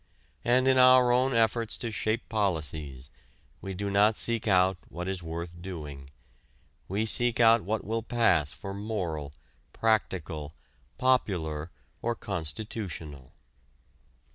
And in our own efforts to shape policies we do not seek out what is worth doing: we seek out what will pass for moral, practical, popular or constitutional.